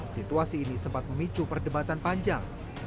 situasi ini sempat memicu perdebatan panjang